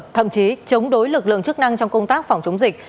thậm chí chống đối lực lượng chức năng trong công tác phòng chống dịch